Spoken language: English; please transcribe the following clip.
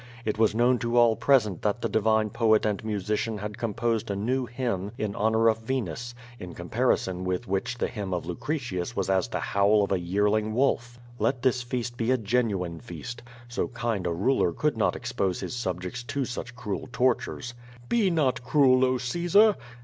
It was known to all present that the divine poet and musician had composed a new hymn in honor of Venus, in comparison with which the hymn of Lucretius was as the howl of a yearling wolf. Let this feast be a genuine feast. So kind a ruler should not expose his subjects to such cruel tortures. "Be not cruel, 0 Caesar.'